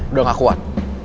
udah gak kuat